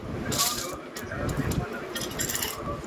Por suerte, nada de esto ocurrirá pronto".